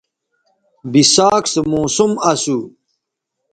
بِساک سو موسم اسو